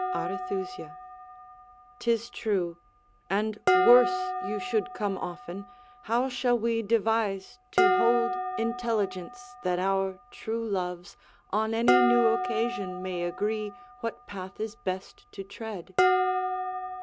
Arethusa 'Tis true: and worse You should come often. How shall we devise To hold intelligence, that our true loves, On any new occasion, may agree What path is best to tread?